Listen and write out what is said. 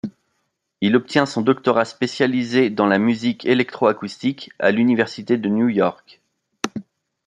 Il obtient son doctorat spécialisé dans la musique électroacoustique, à l'Université de New York.